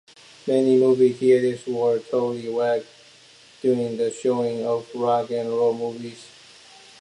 Many movie theaters were totally wrecked during the showing of rock'n'roll movies.